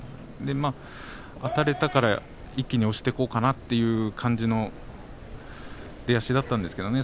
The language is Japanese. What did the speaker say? あたれたから一気に押していこうかなという感じの出足だったんですけどね。